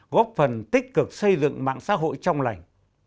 góp phần tích cực xây dựng mạng xã hội trong lành